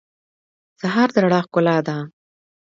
سهار د رڼا ښکلا ده.